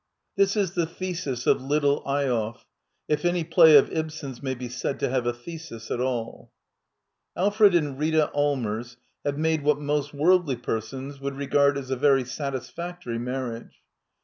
^ This is the thesis IS is / d by Google INTRODUCTION ^ of " Little Eyolf," if any play of Ibsen's may be said to have a thesis at all. Alfred and Rita Allmers have made what most worldly persons would regard as a very satisfactory marriage.